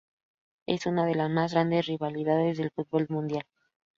Es una de las más grandes rivalidades del fútbol mundial.